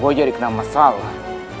gua jadi kena masalah